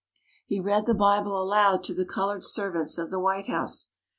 He read the Bible aloud to the coloured servants of the White House.